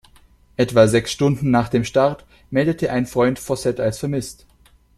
Etwa sechs Stunden nach dem Start meldete ein Freund Fossett als vermisst.